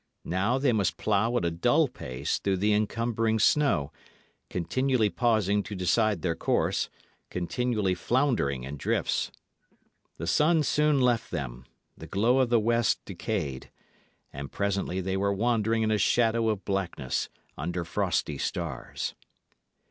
Now they must plough at a dull pace through the encumbering snow, continually pausing to decide their course, continually floundering in drifts. The sun soon left them; the glow of the west decayed; and presently they were wandering in a shadow of blackness, under frosty stars.